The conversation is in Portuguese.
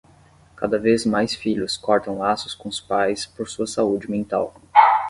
Cada vez mais filhos cortam laços com os pais por sua saúde mental